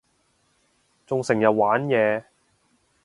仲成日玩嘢